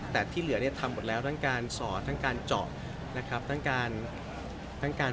แต่ที่เหลือทำหมดแล้วทั้งการสอดทั้งการเจาะทั้งการผ่า